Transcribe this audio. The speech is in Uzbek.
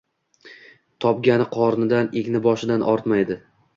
Topgani qornidan, egni-boshidan ortmaydi